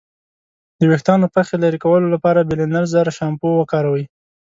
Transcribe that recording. د ویښتانو پخې لرې کولو لپاره بیلینزر شامپو وکاروئ.